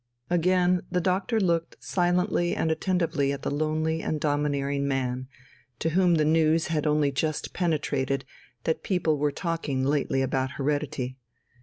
Again the doctor looked silently and attentively at the lonely and domineering man, to whom the news had only just penetrated that people were talking lately about heredity.